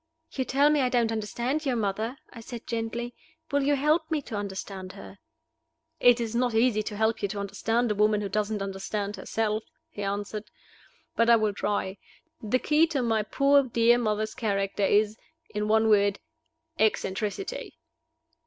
"You tell me I don't understand your mother," I said, gently. "Will you help me to understand her?" "It is not easy to help you to understand a woman who doesn't understand herself," he answered. "But I will try. The key to my poor dear mother's character is, in one word Eccentricity."